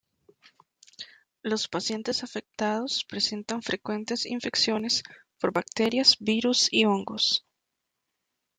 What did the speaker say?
Los pacientes afectados presentan frecuentes infecciones por bacterias, virus y hongos.